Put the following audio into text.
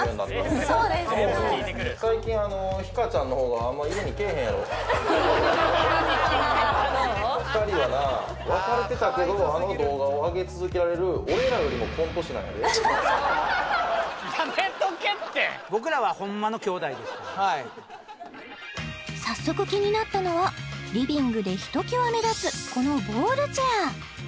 もうそうですね２人はなあ早速気になったのはリビングでひときわ目立つこのボールチェア